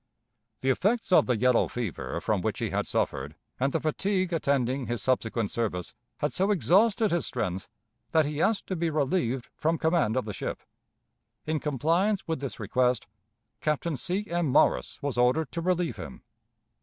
The effects of the yellow fever from which he had suffered and the fatigue attending his subsequent service had so exhausted his strength that he asked to be relieved from command of the ship. In compliance with this request, Captain C. M. Morris was ordered to relieve him.